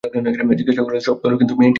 জিজ্ঞাসা করিল, সব তো হল, কিন্তু মেয়েটি?